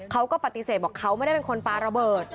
เขาก็ปฏิเสธบอกเขาไม่ได้เป็นคนปลาระเบิด